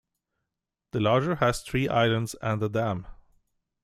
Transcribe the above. The larger has three islands and a dam.